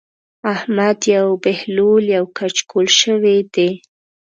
احمد اوس يو بهلول يو کچکول شوی دی.